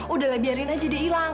udah lah biarin aja dia hilang